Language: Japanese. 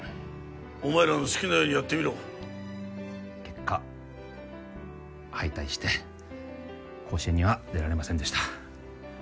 お前らの好きなようにやってみろ結果敗退して甲子園には出られませんでした